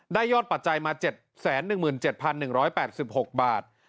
ยอดปัจจัยมา๗๑๗๑๘๖บาท